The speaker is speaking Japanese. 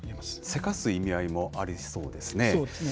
せかす意味合いもありそうですね。